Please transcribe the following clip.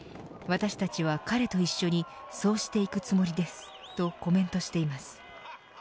私たちは彼と一緒にそうしていくつもりです、とコメントしています。